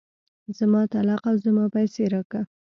زما طلاق او زما پيسې راکه.